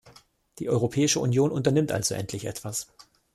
Die Europäische Union unternimmt also endlich etwas.